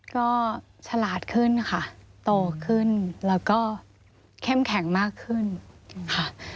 ก็ฉลาดขึ้นค่ะโตขึ้นแล้วก็เข้มแข็งมากขึ้นค่ะ